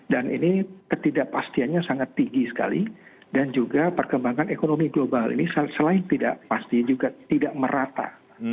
dan ini ketidakpastiannya sangat tinggi sekali dan juga perkembangan ekonomi global ini selain tidak pasti juga tidak merata